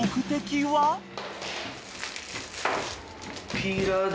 ピーラーで。